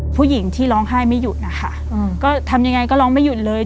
ผู้หญิงที่ร้องไห้ไม่หยุดนะคะ